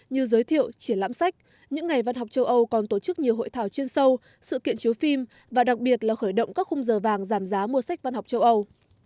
như giới thiệu triển lãm sách những ngày văn học châu âu còn tổ chức nhiều hội thảo chuyên sâu sự kiện chiếu phim và đặc biệt là khởi động các khung giờ vàng giảm giá mua sách văn học châu âu